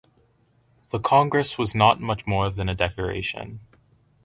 The Congress was not much more than a decoration.